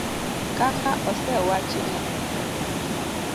Kaka osewachi no.